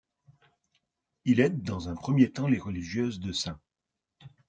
Il aide dans un premier temps les religieuses de St.